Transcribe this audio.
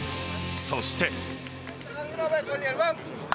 そして。